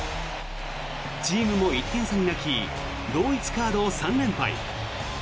チームも１点差に泣き同一カード３連敗。